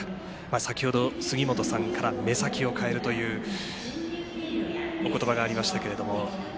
先ほど、杉本さんから目先を変えるというお言葉がありましたけど。